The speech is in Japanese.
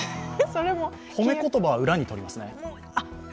褒め言葉を裏にとります？